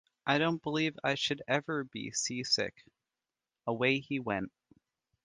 “I don’t believe I should ever be sea-sick.” Away he went.